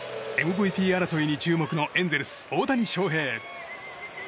ＭＶＰ争いに注目のエンゼルス大谷翔平。